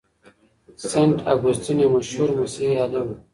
سينټ اګوستين يو مشهور مسيحي عالم و.